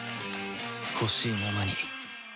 ほしいままに